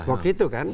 waktu itu kan